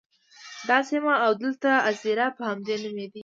دا سیمه او دلته اَذيره په همدې نوم یادیږي.